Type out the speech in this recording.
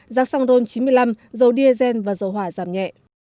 giá songron chín mươi năm dầu diesel và dầu hỏa giảm nhẹ